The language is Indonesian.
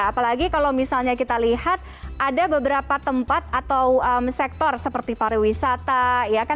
apalagi kalau misalnya kita lihat ada beberapa tempat atau sektor seperti pariwisata